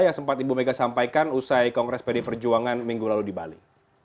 yang sempat ibu mega sampaikan usai kongres pdi perjuangan minggu lalu di bali